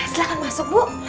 silahkan masuk bu